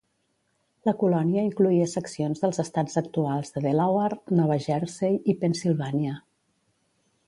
La colònia incloïa seccions dels estats actuals de Delaware, Nova Jersey i Pennsilvània.